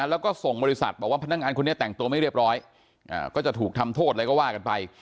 แล้วก็ส่งบริษัทบอกว่าพนักงานคนนี้แต่งตัวไม่เรียบร้อยก็จะถูกทำโทษอะไรก็ว่ากันไป